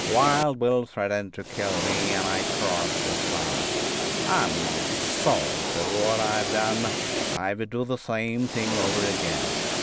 Wild Bill threatened to kill me if I crossed his path. I am not sorry for what I have done. I would do the same thing over again."